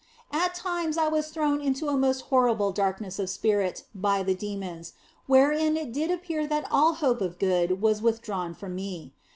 At times was I thrown into a most horrible darkness of spirit by the demons, wherein it did appear that all hope of good was withdrawn from me.